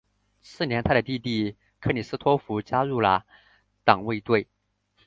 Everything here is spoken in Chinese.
次年他的弟弟克里斯托福加入了党卫队。